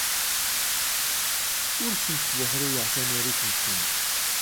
Ur asent-sbuḥruyeɣ tanarit-nsent.